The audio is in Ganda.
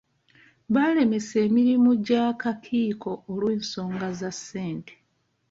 Baalemesa emirimu gy'akakiiko olw'ensonga za ssente.